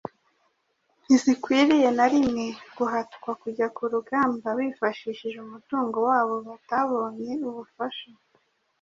ntizikwiriye na rimwe guhatwa kujya ku rugamba bifashishije umutungo wabo batabonye ubufasha